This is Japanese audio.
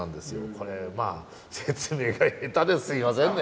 これまあ説明が下手ですいませんね。